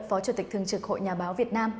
phó chủ tịch thường trực hội nhà báo việt nam